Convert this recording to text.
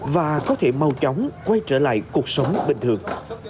và có thể mau chóng quay trở lại cuộc sống bình thường